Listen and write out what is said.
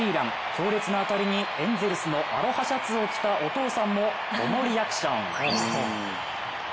強烈な当たりにエンゼルスのアロハシャツを着たおとうさんも、このリアクション。